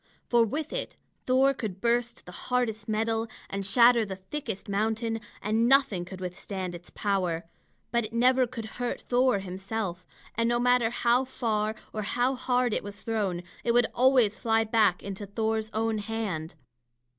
For with it Thor could burst the hardest metal and shatter the thickest mountain, and nothing could withstand its power. But it never could hurt Thor himself; and no matter how far or how hard it was thrown, it would always fly back into Thor's own hand.